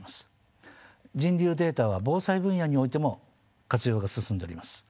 人流データは防災分野においても活用が進んでおります。